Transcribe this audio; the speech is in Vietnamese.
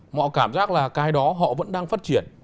họ cảm giác là cái đó họ vẫn đang phát triển